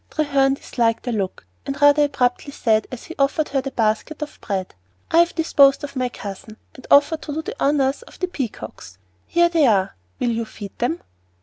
Treherne disliked the look, and rather abruptly said, as he offered her the basket of bread, "I have disposed of my cousin, and offered to do the honors of the peacocks. Here they are will you feed them?"